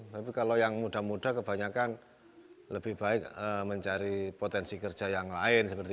tapi kalau yang muda muda kebanyakan lebih baik mencari potensi kerja yang lain